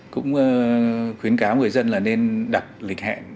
cũng khuyến cáo người dân là nên đặt lịch hẹn